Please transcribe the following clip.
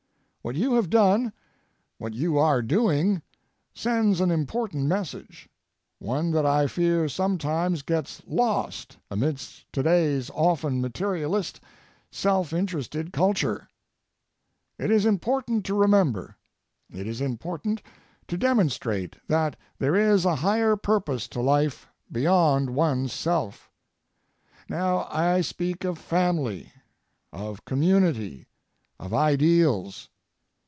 What you have done, what you are doing, sends an important message, one that I fear sometimes gets lost amidst today's often materialist, self interested culture. It is important to remember, it is important to demonstrate that there is a higher purpose to life beyond one's self. Now, I speak of family, of community, of ideals.